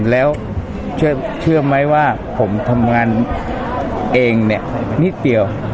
แล้วเชื่อมั้ยว่าผมทำงานเองเนี่ย